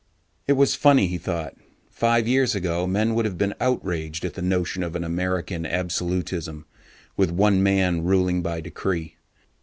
It was funny, he thought; five years ago men would have been outraged at the notion of an American absolutism, with one man ruling by decree.